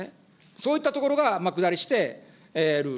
そういったところが天下りしてる。